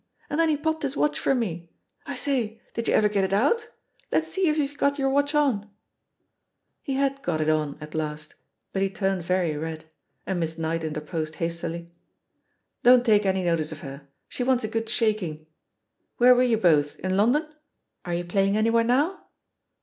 And then he popped his watch for me. I say, did you ever get it out? Let's see if you've got your watch on I" He had got it on at last, but he turned yery red, and Miss Knight interposed hastily: "Don't take any notice of her; she wants a good shaking. Where were you both — in Lon don? Are you playing anywhere now?"